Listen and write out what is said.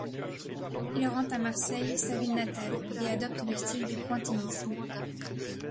Il rentre à Marseille, sa ville natale, et adopte le style du pointillisme.